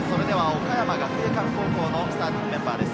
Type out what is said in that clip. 岡山学芸館高校のスターティングメンバーです。